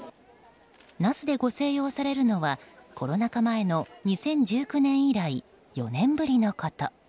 那須でご静養されるのはコロナ禍前の２０１９年以来４年ぶりのこと。